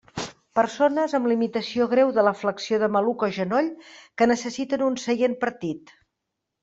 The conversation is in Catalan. Persones amb limitació greu de la flexió de maluc o genoll que necessiten un seient partit.